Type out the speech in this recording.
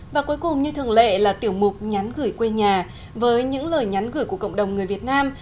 và cuối cùng như thường lệ là tiểu mục nhắn gửi quê nhà với những lời nhắn gửi của cộng đồng người việt nam